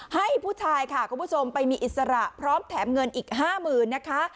ให้ผู้ชายค่ะคุณผู้ชมไปมีอิสระพร้อมแถมเงินอีก๕๐๐๐นะคะ